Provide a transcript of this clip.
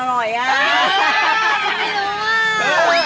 เรารู้จักก็ไม่รู้อ่ะ